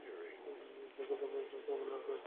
Ibn Qutaybah এভাবেই বর্ণনা করেছেন।